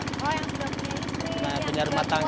oh yang sudah punya istri yang berumah tangga